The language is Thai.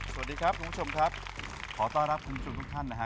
สวัสดีครับคุณผู้ชมครับขอต้อนรับคุณผู้ชมทุกท่านนะฮะ